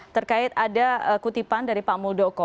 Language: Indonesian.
terkait ada kutipan dari pak muldoko